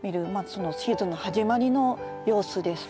そのシーズンの始まりの様子です。